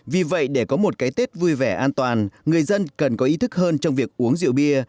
vì vậy để có một cái tết vui vẻ an toàn người dân cần có ý thức hơn trong việc uống rượu bia